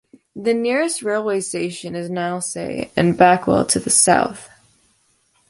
The nearest railway station is Nailsea and Backwell to the south.